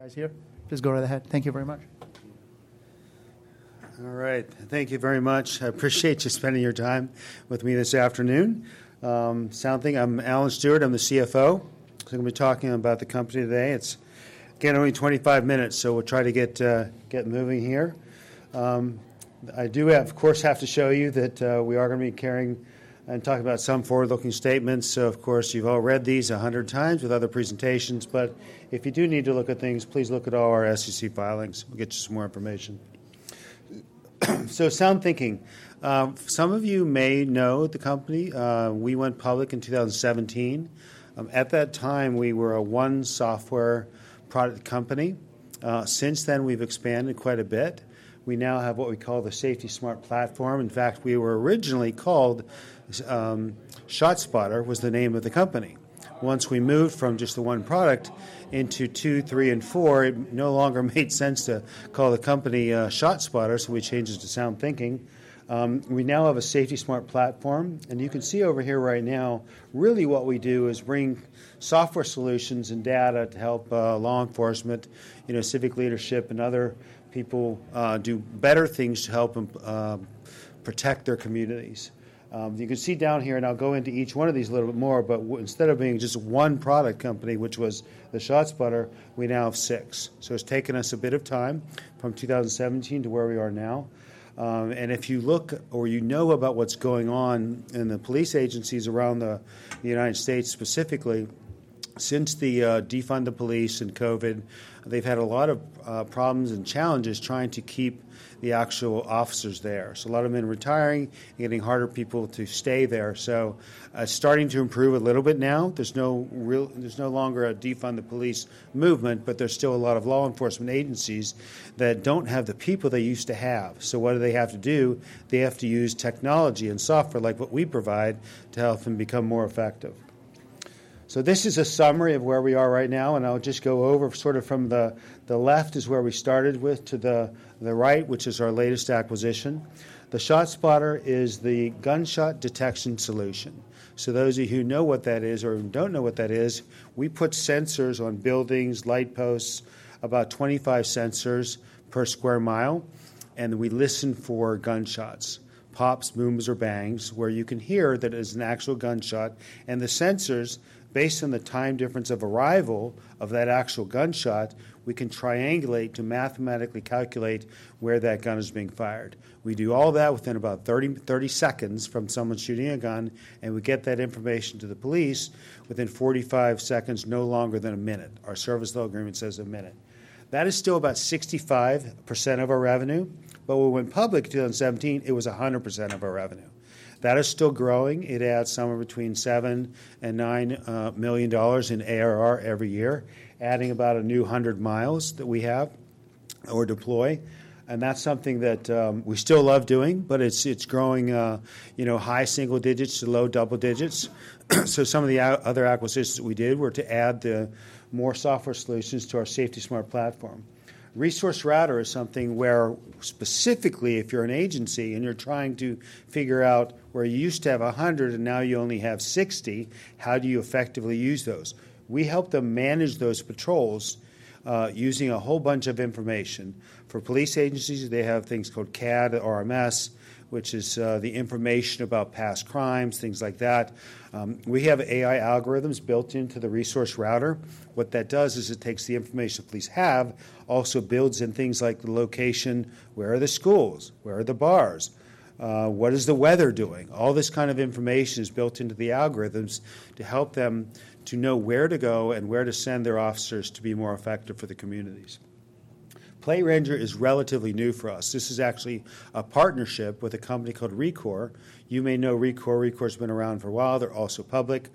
Guys here. Please go right ahead. Thank you very much. All right. Thank you very much. I appreciate you spending your time with me this afternoon. SoundThinking, I'm Alan Stewart, I'm the CFO. I'm going to be talking about the company today. It's, again, only 25 minutes, so we'll try to get moving here. I do, of course, have to show you that we are going to be carrying and talking about some forward-looking statements. Of course, you've all read these a 100 times with other presentations. If you do need to look at things, please look at all our SEC filings. We'll get you some more information. SoundThinking, some of you may know the company. We went public in 2017. At that time, we were a one-software product company. Since then, we've expanded quite a bit. We now have what we call the Safety Smart Platform. In fact, we were originally called ShotSpotter was the name of the company. Once we moved from just the one product into two, three, and four, it no longer made sense to call the company ShotSpotter, so we changed it to SoundThinking. We now have a Safety Smart Platform. You can see over here right now, really what we do is bring software solutions and data to help law enforcement, civic leadership, and other people do better things to help them protect their communities. You can see down here, and I'll go into each one of these a little bit more, but instead of being just one product company, which was the ShotSpotter, we now have six. It's taken us a bit of time from 2017 to where we are now. If you look or you know about what's going on in the police agencies around the United States specifically, since the Defund the Police and COVID, they've had a lot of problems and challenges trying to keep the actual officers there. A lot of them are retiring, getting harder people to stay there. It's starting to improve a little bit now. There's no longer a Defund the Police movement, but there's still a lot of law enforcement agencies that don't have the people they used to have. What do they have to do? They have to use technology and software like what we provide to help them become more effective. This is a summary of where we are right now. I'll just go over sort of from the left is where we started with to the right, which is our latest acquisition. The ShotSpotter is the gunshot detection solution. Those of you who know what that is or do not know what that is, we put sensors on buildings, light posts, about 25 sensors per sq mi. We listen for gunshots, pops, booms, or bangs where you can hear that it is an actual gunshot. The sensors, based on the time difference of arrival of that actual gunshot, can triangulate to mathematically calculate where that gun is being fired. We do all that within about 30 seconds from someone shooting a gun. We get that information to the police within 45 seconds, no longer than a minute. Our service law agreement says a minute. That is still about 65% of our revenue. When we went public in 2017, it was 100% of our revenue. That is still growing. It adds somewhere between $7 million and $9 million in ARR every year, adding about a new 100 mi that we have or deploy. That is something that we still love doing, but it is growing high single digits to low double digits. Some of the other acquisitions that we did were to add more software solutions to our Safety Smart Platform. Resource Router is something where specifically, if you are an agency and you are trying to figure out where you used to have 100 and now you only have 60, how do you effectively use those? We help them manage those patrols using a whole bunch of information. For police agencies, they have things called CAD, RMS, which is the information about past crimes, things like that. We have AI algorithms built into the Resource Router. What that does is it takes the information police have, also builds in things like the location, where are the schools, where are the bars, what is the weather doing? All this kind of information is built into the algorithms to help them to know where to go and where to send their officers to be more effective for the communities. Plate Ranger is relatively new for us. This is actually a partnership with a company called Rekor. You may know Rekor. Rekor has been around for a while. They're also public.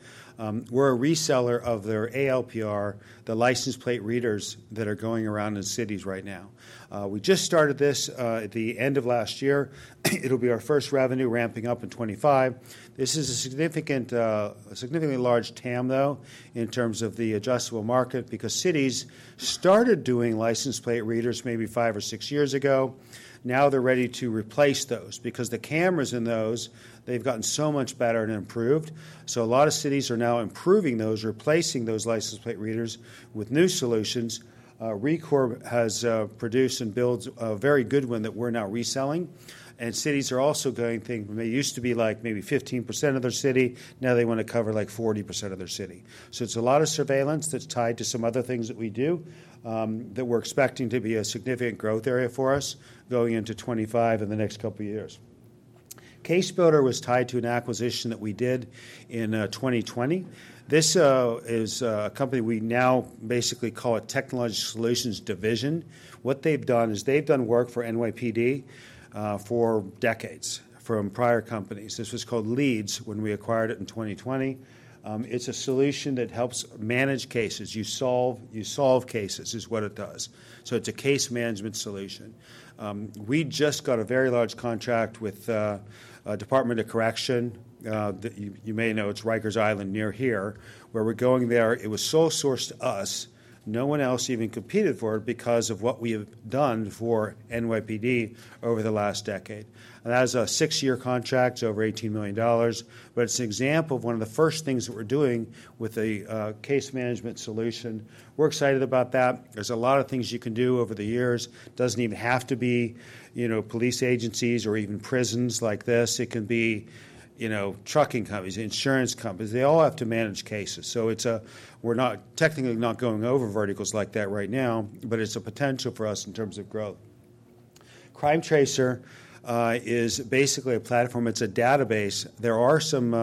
We're a reseller of their ALPR, the license plate readers that are going around in cities right now. We just started this at the end of last year. It'll be our first revenue ramping up in 2025. This is a significantly large TAM, though, in terms of the adjustable market because cities started doing license plate readers maybe five or six years ago. Now they're ready to replace those because the cameras in those, they've gotten so much better and improved. A lot of cities are now improving those, replacing those license plate readers with new solutions. Rekor has produced and builds a very good one that we're now reselling. Cities are also going thinking they used to be like maybe 15% of their city. Now they want to cover like 40% of their city. It is a lot of surveillance that's tied to some other things that we do that we're expecting to be a significant growth area for us going into 2025 and the next couple of years. CaseBuilder was tied to an acquisition that we did in 2020. This is a company we now basically call a technology solutions division. What they've done is they've done work for NYPD for decades from prior companies. This was called Leeds when we acquired it in 2020. It's a solution that helps manage cases. You solve cases is what it does. So it's a case management solution. We just got a very large contract with the Department of Correction. You may know it's Rikers Island near here where we're going there. It was sole source to us. No one else even competed for it because of what we have done for NYPD over the last decade. That is a six-year contract, over $18 million. It is an example of one of the first things that we're doing with a case management solution. We're excited about that. There's a lot of things you can do over the years. It does not even have to be police agencies or even prisons like this. It can be trucking companies, insurance companies. They all have to manage cases. We are technically not going over verticals like that right now, but it is a potential for us in terms of growth. CrimeTracer is basically a platform. It is a database. There is some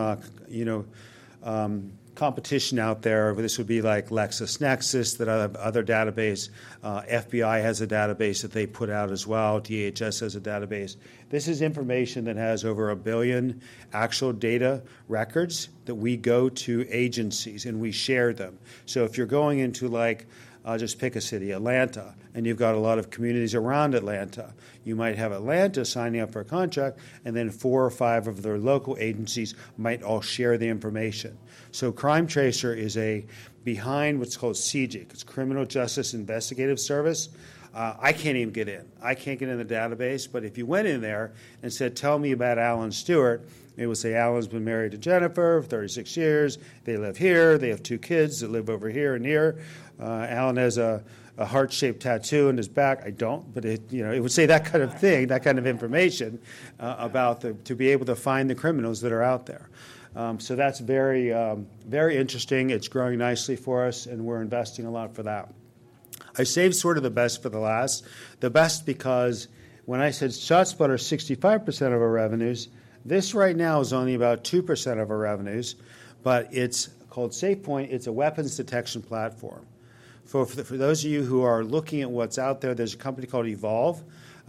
competition out there. This would be like LexisNexis, that other database. FBI has a database that they put out as well. DHS has a database. This is information that has over a billion actual data records that we go to agencies and we share them. If you are going into, like, just pick a city, Atlanta, and you have got a lot of communities around Atlanta, you might have Atlanta signing up for a contract, and then four or five of their local agencies might all share the information. CrimeTracer is behind what's called CJIS. It's Criminal Justice Investigative Service. I can't even get in. I can't get in the database. If you went in there and said, "Tell me about Alan Stewart," it would say, "Alan's been married to Jennifer, 36 years. They live here. They have two kids that live over here and here. Alan has a heart-shaped tattoo on his back." I don't, but it would say that kind of thing, that kind of information about to be able to find the criminals that are out there. That's very interesting. It's growing nicely for us, and we're investing a lot for that. I saved sort of the best for the last. The best because when I said ShotSpotter is 65% of our revenues, this right now is only about 2% of our revenues. It's called SafePoint. It's a weapons detection platform. For those of you who are looking at what's out there, there's a company called Evolve,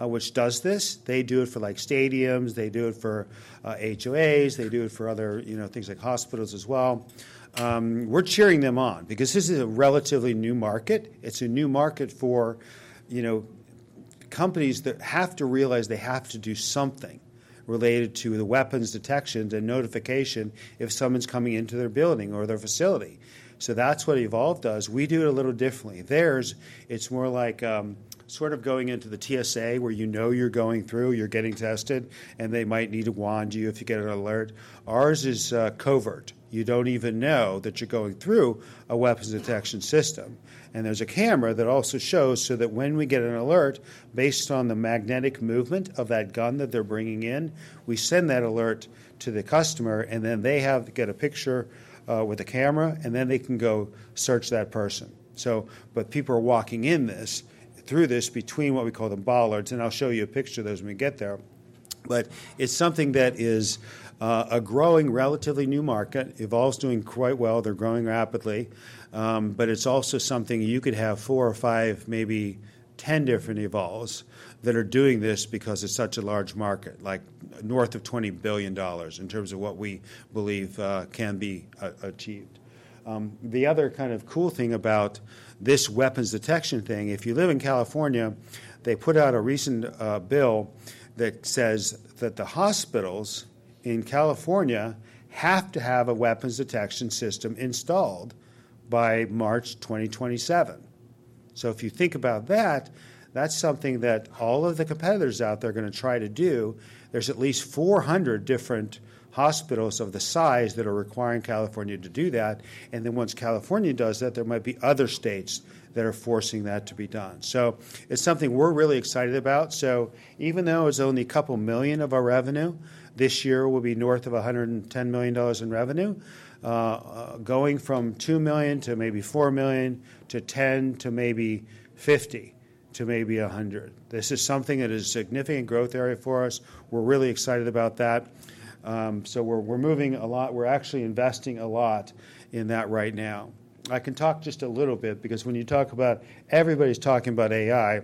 which does this. They do it for stadiums. They do it for HOAs. They do it for other things like hospitals as well. We're cheering them on because this is a relatively new market. It's a new market for companies that have to realize they have to do something related to the weapons detection and notification if someone's coming into their building or their facility. So that's what Evolve does. We do it a little differently. Theirs, it's more like sort of going into the TSA where you know you're going through, you're getting tested, and they might need to wand you if you get an alert. Ours is covert. You don't even know that you're going through a weapons detection system. There is a camera that also shows so that when we get an alert, based on the magnetic movement of that gun that they're bringing in, we send that alert to the customer, and then they get a picture with a camera, and then they can go search that person. People are walking in this through this between what we call the bollards. I'll show you a picture of those when we get there. It is something that is a growing relatively new market. Evolve's doing quite well. They're growing rapidly. It is also something you could have four or five, maybe 10 different Evolves that are doing this because it's such a large market, like north of $20 billion in terms of what we believe can be achieved. The other kind of cool thing about this weapons detection thing, if you live in California, they put out a recent bill that says that the hospitals in California have to have a weapons detection system installed by March 2027. If you think about that, that's something that all of the competitors out there are going to try to do. There's at least 400 different hospitals of the size that are requiring California to do that. Once California does that, there might be other states that are forcing that to be done. It's something we're really excited about. Even though it's only a couple million of our revenue, this year will be north of $110 million in revenue, going from $2 million to maybe $4 million to $10 million to maybe $50 million to maybe $100 million. This is something that is a significant growth area for us. We're really excited about that. We're moving a lot. We're actually investing a lot in that right now. I can talk just a little bit because when you talk about everybody's talking about AI,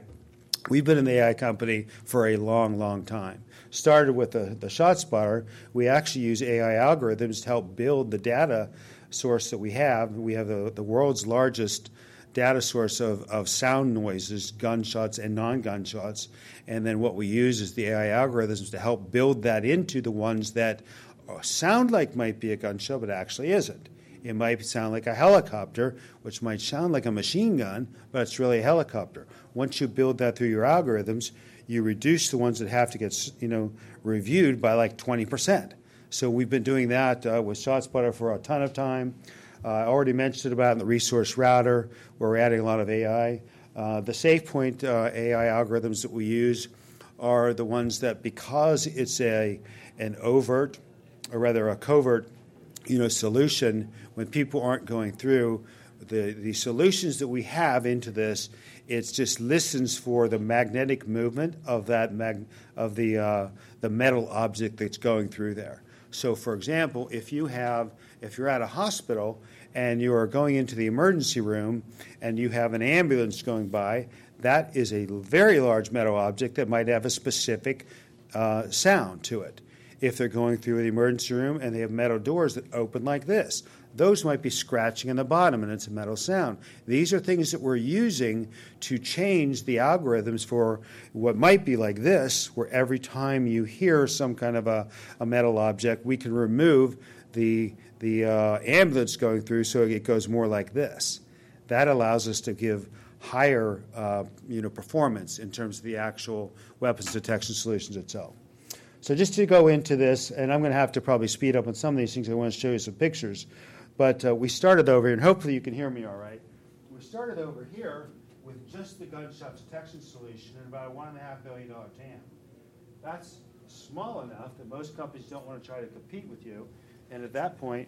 we've been an AI company for a long, long time. Started with the ShotSpotter, we actually use AI algorithms to help build the data source that we have. We have the world's largest data source of sound noises, gunshots and non-gunshots. What we use is the AI algorithms to help build that into the ones that sound like might be a gunshot but actually isn't. It might sound like a helicopter, which might sound like a machine gun, but it's really a helicopter. Once you build that through your algorithms, you reduce the ones that have to get reviewed by like 20%. We've been doing that with ShotSpotter for a ton of time. I already mentioned about the ResourceRouter where we're adding a lot of AI. The SafePointe AI algorithms that we use are the ones that, because it's an overt or rather a covert solution, when people aren't going through the solutions that we have into this, it just listens for the magnetic movement of the metal object that's going through there. For example, if you're at a hospital and you are going into the emergency room and you have an ambulance going by, that is a very large metal object that might have a specific sound to it. If they're going through the emergency room and they have metal doors that open like this, those might be scratching in the bottom and it's a metal sound. These are things that we're using to change the algorithms for what might be like this, where every time you hear some kind of a metal object, we can remove the ambulance going through so it goes more like this. That allows us to give higher performance in terms of the actual weapons detection solutions itself. Just to go into this, and I'm going to have to probably speed up on some of these things. I want to show you some pictures. We started over here, and hopefully you can hear me all right. We started over here with just the gunshot detection solution and about a $1.5 million TAM. That's small enough that most companies do not want to try to compete with you. At that point,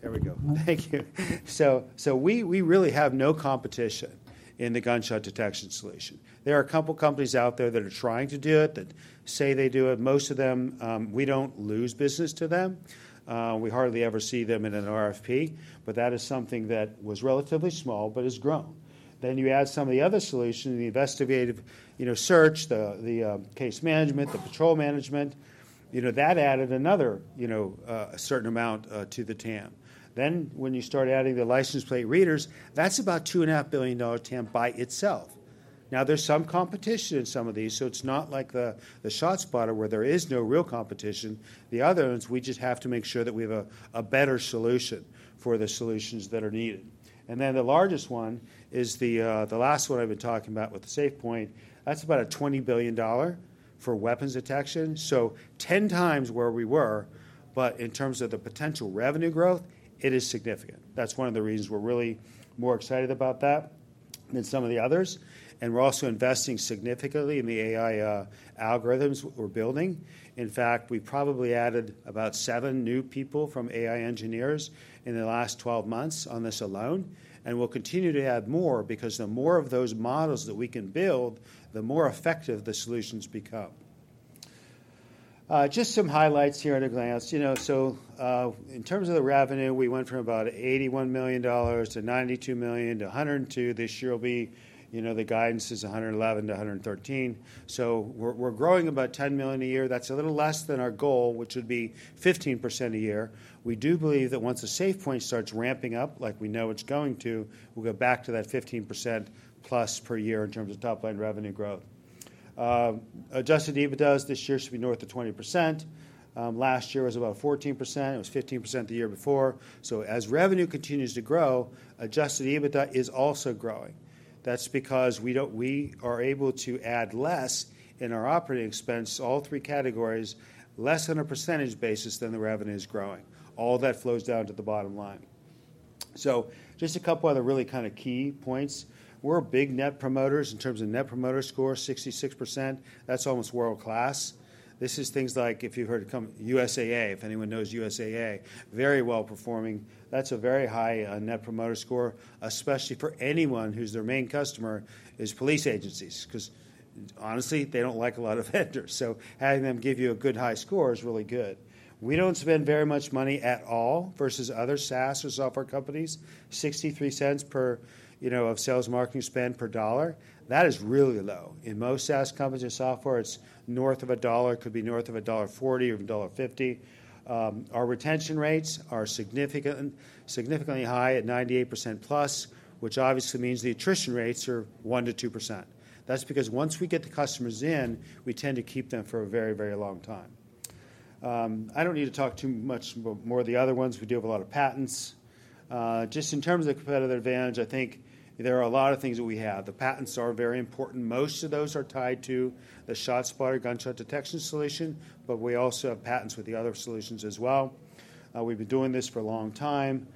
there we go. Thank you. We really have no competition in the gunshot detection solution. There are a couple of companies out there that are trying to do it that say they do it. Most of them, we don't lose business to them. We hardly ever see them in an RFP, but that is something that was relatively small but has grown. You add some of the other solutions, the investigative search, the case management, the patrol management, that added another certain amount to the TAM. When you start adding the license plate readers, that's about $2.5 billion TAM by itself. Now there's some competition in some of these. It's not like the ShotSpotter where there is no real competition. The other ones, we just have to make sure that we have a better solution for the solutions that are needed. The largest one is the last one I've been talking about with the SafePoint. That's about a $20 billion for weapons detection. 10x where we were, but in terms of the potential revenue growth, it is significant. That's one of the reasons we're really more excited about that than some of the others. We're also investing significantly in the AI algorithms we're building. In fact, we probably added about seven new people from AI engineers in the last 12 months on this alone. We'll continue to add more because the more of those models that we can build, the more effective the solutions become. Just some highlights here at a glance. In terms of the revenue, we went from about $81 million to $92 million to $102 million. This year the guidance is $111 million-$113 million. We're growing about $10 million a year. That's a little less than our goal, which would be 15% a year. We do believe that once the SafePointe starts ramping up, like we know it's going to, we'll go back to that 15% plus per year in terms of top-line revenue growth. Adjusted EBITDA this year should be north of 20%. Last year was about 14%. It was 15% the year before. As revenue continues to grow, adjusted EBITDA is also growing. That's because we are able to add less in our operating expense, all three categories, less on a percentage basis than the revenue is growing. All that flows down to the bottom line. Just a couple of other really kind of key points. We're big net promoters in terms of net promoter score, 66%. That's almost world-class. This is things like if you've heard USAA, if anyone knows USAA, very well-performing. That's a very high net promoter score, especially for anyone whose main customer is police agencies because honestly, they don't like a lot of vendors. Having them give you a good high score is really good. We don't spend very much money at all versus other SaaS or software companies, $0.63 of sales marketing spend per dollar. That is really low. In most SaaS companies or software, it's north of a dollar. It could be north of $1.40 or $1.50. Our retention rates are significantly high at 98%+, which obviously means the attrition rates are 1%-2%. That's because once we get the customers in, we tend to keep them for a very, very long time. I don't need to talk too much more of the other ones. We deal with a lot of patents. Just in terms of the competitive advantage, I think there are a lot of things that we have. The patents are very important. Most of those are tied to the ShotSpotter gunshot detection solution, but we also have patents with the other solutions as well. We've been doing this for a long time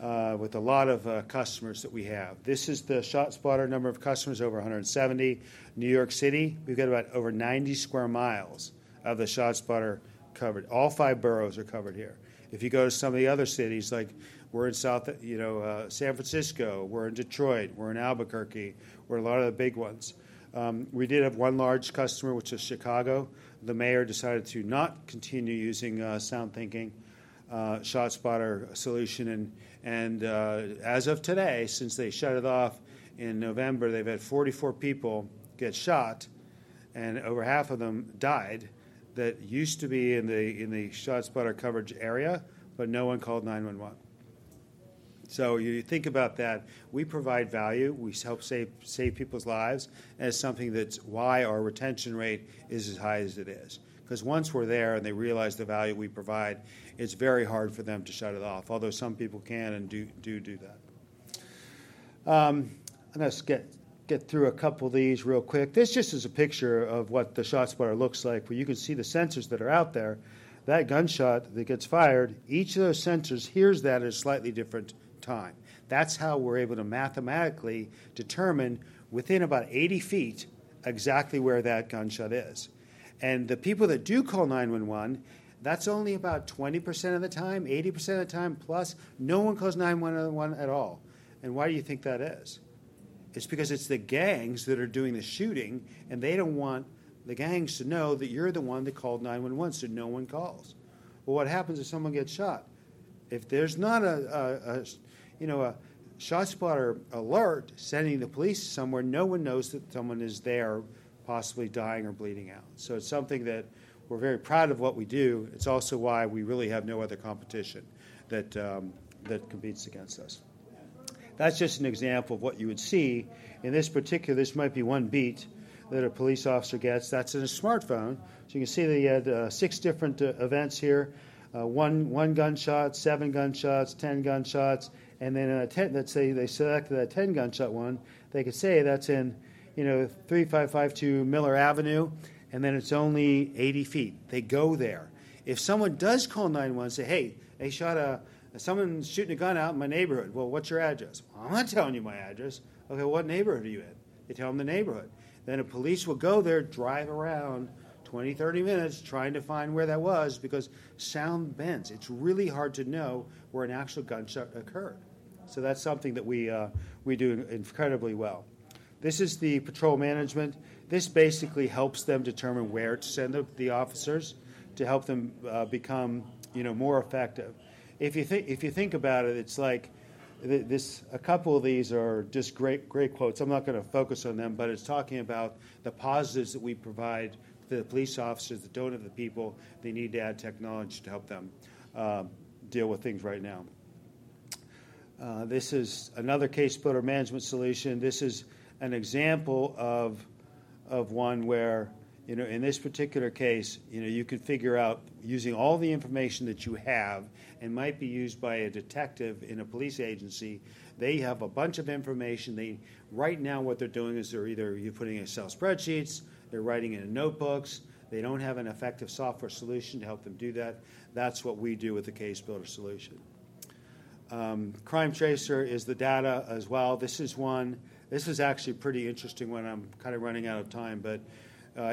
with a lot of customers that we have. This is the ShotSpotter number of customers, over 170. New York City, we've got about over 90 sq mi of the ShotSpotter covered. All five boroughs are covered here. If you go to some of the other cities, like we're in San Francisco, we're in Detroit, we're in Albuquerque, we're a lot of the big ones. We did have one large customer, which is Chicago. The mayor decided to not continue using SoundThinking ShotSpotter solution. As of today, since they shut it off in November, they've had 44 people get shot, and over half of them died that used to be in the ShotSpotter coverage area, but no one called 911. You think about that. We provide value. We help save people's lives. It is something that's why our retention rate is as high as it is. Once we're there and they realize the value we provide, it's very hard for them to shut it off, although some people can and do do that. I'm going to get through a couple of these real quick. This is a picture of what the ShotSpotter looks like, where you can see the sensors that are out there. That gunshot that gets fired, each of those sensors hears that at a slightly different time. That's how we're able to mathematically determine within about 80 ft exactly where that gunshot is. The people that do call 911, that's only about 20% of the time, 80% of the time plus. No one calls 911 at all. Why do you think that is? It's because it's the gangs that are doing the shooting, and they don't want the gangs to know that you're the one that called 911, so no one calls. What happens if someone gets shot? If there's not a ShotSpotter alert sending the police somewhere, no one knows that someone is there possibly dying or bleeding out. It's something that we're very proud of what we do. It's also why we really have no other competition that competes against us. That's just an example of what you would see. In this particular, this might be one beat that a police officer gets. That is in a smartphone. You can see that he had six different events here, one gunshot, seven gunshots, 10 gunshots. Let's say they select the 10 gunshot one, they could say that is in 3552 Miller Avenue, and then it is only 80 ft. They go there. If someone does call 911 and say, "Hey, they shot someone shooting a gun out in my neighborhood, what is your address?" "I am not telling you my address." "Okay, what neighborhood are you in?" They tell them the neighborhood. A police will go there, drive around 20-30 minutes trying to find where that was because sound bends. It is really hard to know where an actual gunshot occurred. That is something that we do incredibly well. This is the patrol management. This basically helps them determine where to send the officers to help them become more effective. If you think about it, it's like a couple of these are just great quotes. I'm not going to focus on them, but it's talking about the positives that we provide to the police officers, the donors, the people. They need to add technology to help them deal with things right now. This is another CaseBuilder management solution. This is an example of one where in this particular case, you could figure out using all the information that you have and might be used by a detective in a police agency. They have a bunch of information. Right now, what they're doing is they're either putting Excel spreadsheets, they're writing in notebooks. They don't have an effective software solution to help them do that. That's what we do with the CaseBuilder solution. CrimeTracer is the data as well. This is one. This is actually pretty interesting when I'm kind of running out of time.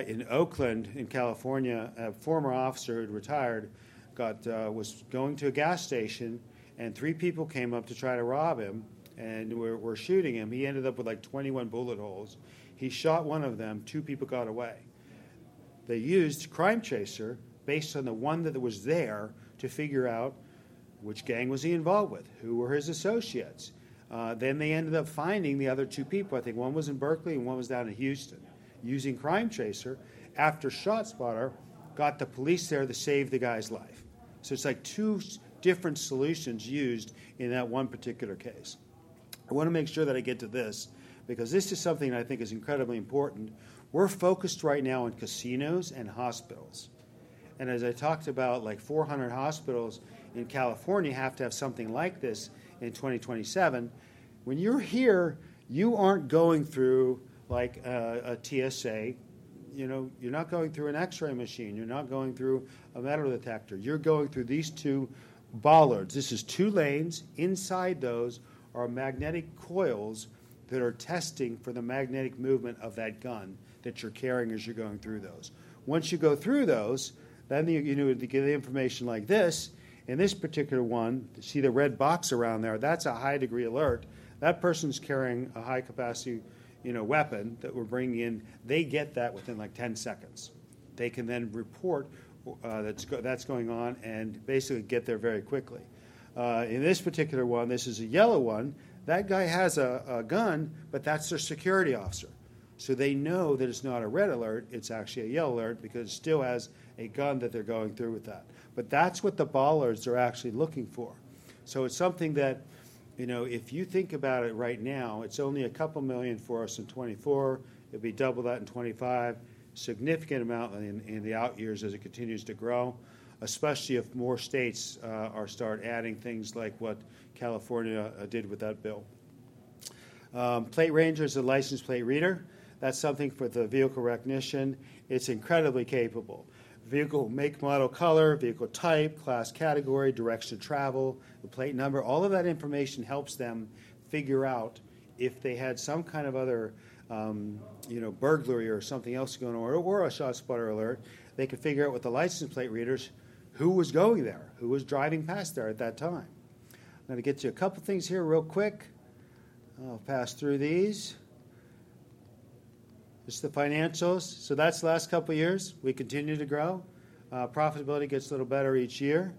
In Oakland in California, a former officer had retired, was going to a gas station, and three people came up to try to rob him and were shooting him. He ended up with like 21 bullet holes. He shot one of them. Two people got away. They used CrimeTracer based on the one that was there to figure out which gang was he involved with, who were his associates. They ended up finding the other two people. I think one was in Berkeley and one was down in Houston. Using CrimeTracer, after ShotSpotter got the police there to save the guy's life. It is like two different solutions used in that one particular case. I want to make sure that I get to this because this is something I think is incredibly important. We're focused right now on casinos and hospitals. As I talked about, like 400 hospitals in California have to have something like this in 2027. When you're here, you aren't going through like a TSA. You're not going through an X-ray machine. You're not going through a metal detector. You're going through these two bollards. This is two lanes. Inside those are magnetic coils that are testing for the magnetic movement of that gun that you're carrying as you're going through those. Once you go through those, then you get the information like this. In this particular one, see the red box around there? That's a high-degree alert. That person's carrying a high-capacity weapon that we're bringing in. They get that within like 10 seconds. They can then report that's going on and basically get there very quickly. In this particular one, this is a yellow one. That guy has a gun, but that's their security officer. They know that it's not a red alert. It's actually a yellow alert because it still has a gun that they're going through with that. That's what the bollards are actually looking for. If you think about it right now, it's only a couple million for us in 2024. It'll be double that in 2025. Significant amount in the out years as it continues to grow, especially if more states start adding things like what California did with that bill. PlateRanger is a license plate reader. That's something for the vehicle recognition. It's incredibly capable. Vehicle, make, model, color, vehicle type, class, category, direction of travel, the plate number. All of that information helps them figure out if they had some kind of other burglary or something else going on or a ShotSpotter alert. They could figure out with the license plate readers who was going there, who was driving past there at that time. I'm going to get you a couple of things here real quick. I'll pass through these. It's the financials. That is the last couple of years. We continue to grow. Profitability gets a little better each year.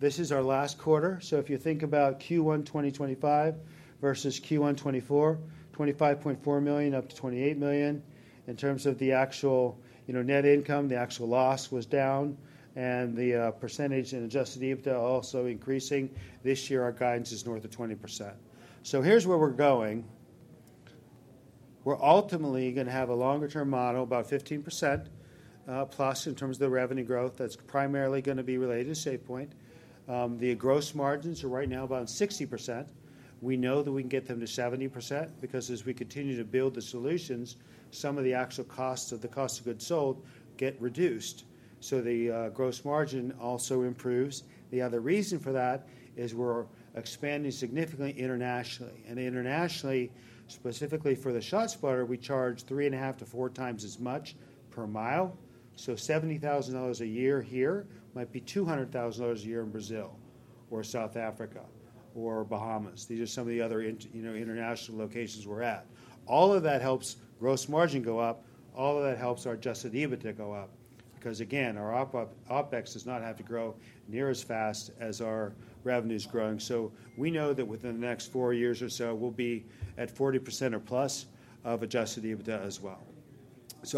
This is our last quarter. If you think about Q1 2025 versus Q1 2024, $25.4 million up to $28 million. In terms of the actual net income, the actual loss was down, and the percentage in adjusted EBITDA also increasing. This year, our guidance is north of 20%. Here is where we're going. We're ultimately going to have a longer-term model, about 15%+ in terms of the revenue growth. That's primarily going to be related to SafePointe. The gross margins are right now about 60%. We know that we can get them to 70% because as we continue to build the solutions, some of the actual costs of the cost of goods sold get reduced. The gross margin also improves. The other reason for that is we're expanding significantly internationally. Internationally, specifically for the ShotSpotter, we charge 3.5x-4x as much per mile. $70,000 a year here might be $200,000 a year in Brazil or South Africa or Bahamas. These are some of the other international locations we're at. All of that helps gross margin go up. All of that helps our adjusted EBITDA go up because, again, our OpEx does not have to grow near as fast as our revenue's growing. We know that within the next four years or so, we'll be at 40% or plus of adjusted EBITDA as well.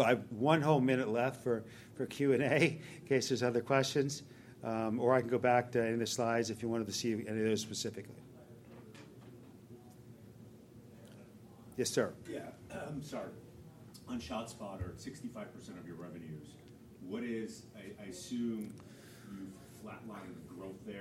I have one whole minute left for Q&A in case there's other questions, or I can go back to any of the slides if you wanted to see any of those specifically. Yes, sir. Yeah. I'm sorry. On ShotSpotter, 65% of your revenues, what is, I assume you've flatlined growth there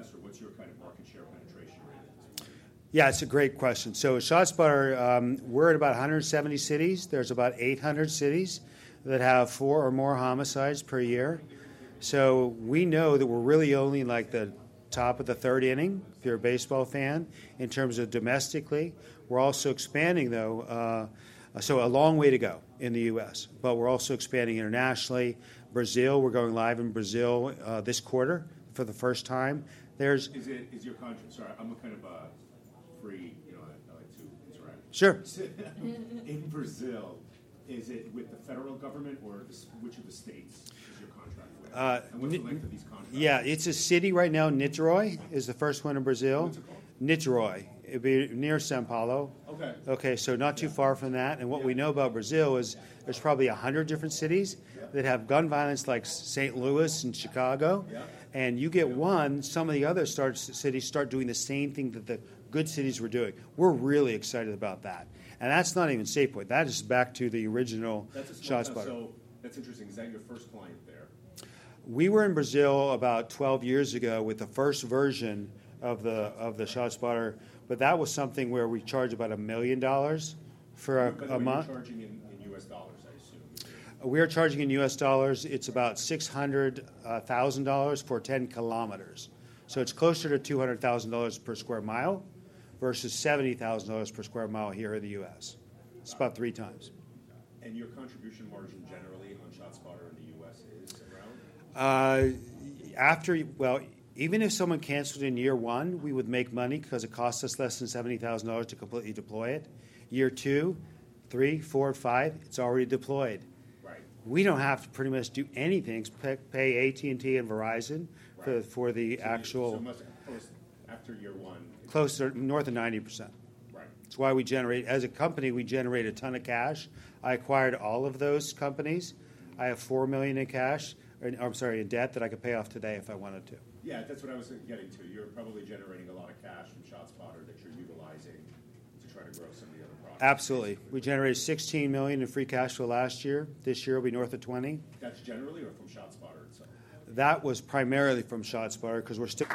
in the U.S., or what's your kind of market share penetration rate at this point? Yeah, it's a great question. ShotSpotter, we're at about 170 cities. There's about 800 cities that have four or more homicides per year. We know that we're really only like the top of the third inning if you're a baseball fan in terms of domestically. We're also expanding, though. A long way to go in the U.S., but we're also expanding internationally. Brazil, we're going live in Brazil this quarter for the first time. Is your contract, sorry, I'm kind of free. I like to interact. Sure. In Brazil, is it with the federal government or which of the states is your contract with? What's the length of these contracts? Yeah. It's a city right now. Niteroi is the first one in Brazil. What's it called? Niteroi. It'd be near São Paulo. Okay. Okay. Not too far from that. What we know about Brazil is there's probably 100 different cities that have gun violence like St. Louis and Chicago. You get one, some of the other cities start doing the same thing that the good cities were doing. We're really excited about that. That is not even SafePointe. That is back to the original ShotSpotter. That's interesting. Is that your first client there? We were in Brazil about 12 years ago with the first version of the ShotSpotter, but that was something where we charged about $1 million for a month. You're charging in US dollars, I assume. We are charging in US dollars. It's about $600,000 for 10 km. It is closer to $200,000 per sq mi versus $70,000 per sq mi here in the U.S. It is about 3x. Your contribution margin generally on ShotSpotter in the U.S. is around? Even if someone canceled in year one, we would make money because it costs us less than $70,000 to completely deploy it. Year two, three, four, five, it's already deployed. We don't have to pretty much do anything, pay AT&T and Verizon for the actual. so much after year one. Closer north of 90%. It's why we generate, as a company, we generate a ton of cash. I acquired all of those companies. I have $4 million in debt that I could pay off today if I wanted to. Yeah, that's what I was getting to. You're probably generating a lot of cash from ShotSpotter that you're utilizing to try to grow some of the other products. Absolutely. We generated $16 million in free cash flow last year. This year will be north of $20 million. That's generally or from ShotSpotter itself? That was primarily from ShotSpotter because we're still.